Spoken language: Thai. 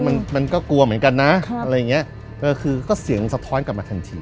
มันมันก็กลัวเหมือนกันนะอะไรอย่างเงี้ยเออคือก็เสียงสะท้อนกลับมาทันที